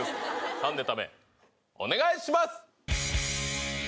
３ネタ目お願いします！